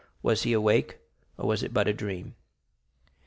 Was he awake, or was it but a dream?